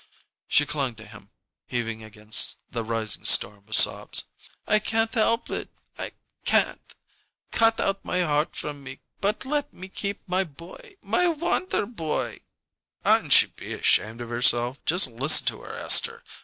She clung to him, heaving against the rising storm of sobs. "I can't help it can't! Cut out my heart from me, but let me keep my boy my wonderboy " "Oughtn't she be ashamed of herself? Just listen to her, Esther!